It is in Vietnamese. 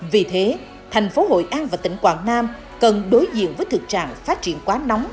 vì thế thành phố hội an và tỉnh quảng nam cần đối diện với thực trạng phát triển quá nóng